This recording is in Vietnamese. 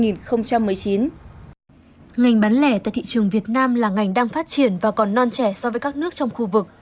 ngành bán lẻ tại thị trường việt nam là ngành đang phát triển và còn non trẻ so với các nước trong khu vực